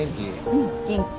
うん元気。